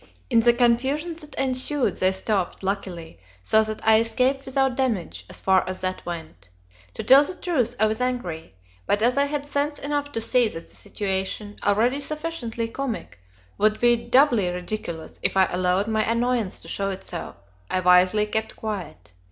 In the confusion that ensued they stopped, luckily, so that I escaped without damage, as far as that went. To tell the truth, I was angry, but as I had sense enough to see that the situation, already sufficiently comic, would be doubly ridiculous if I allowed my annoyance to show itself, I wisely kept quiet.